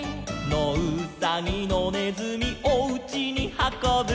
「のうさぎのねずみおうちにはこぶ」